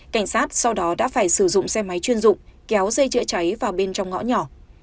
cảnh sát sau đó đã phải sử dụng xe máy chuyên dụng kéo dây chữa cháy vào bên trong ngõ nhỏ